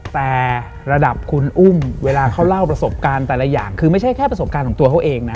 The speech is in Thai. แต่ระดับคุณอุ้มเวลาเขาเล่าประสบการณ์แต่ละอย่างคือไม่ใช่แค่ประสบการณ์ของตัวเขาเองนะ